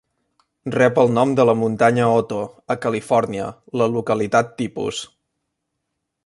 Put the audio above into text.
Rep el nom de la muntanya Otto, a Califòrnia, la localitat tipus.